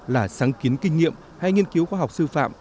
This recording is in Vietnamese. là sáng kiến kinh nghiệm hay nghiên cứu khoa học sư phạm